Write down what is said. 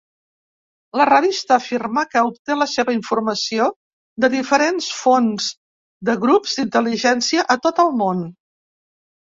La revista afirma que obté la seva informació de diferents fonts de grups d'intel·ligència a tot el món.